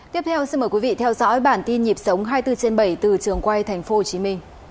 tiếp theo xin mời quý vị theo dõi bản tin nhịp sống hai mươi bốn trên bảy từ trường quay tp hcm